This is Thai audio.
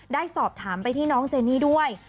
ได้สอบถามไปที่น้องเจนี่ด้วย